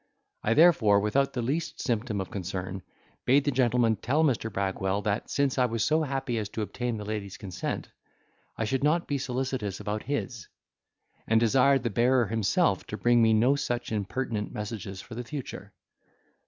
I therefore, without the least symptom of concern bade the gentleman tell Mr. Bragwell, that since I was so happy as to obtain the lady's consent, I should not be solicitous about his; and desired the bearer himself to bring me no such impertinent messages for the future.